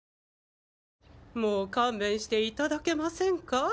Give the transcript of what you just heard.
もう勘弁していただけませんか！？